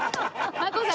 真子さん。